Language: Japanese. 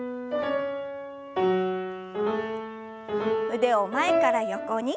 腕を前から横に。